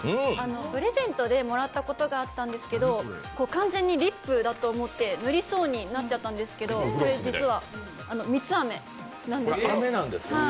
プレゼントでもらったことがあったんですけど、完全にリップだと思ってぬりそうになっちゃったんですけどこれ、実はみつあめなんですけど。